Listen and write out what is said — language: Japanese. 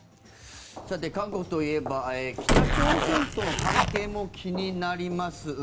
韓国といえば北朝鮮との関係も気になります。